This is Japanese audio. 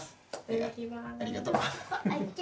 ありがとう。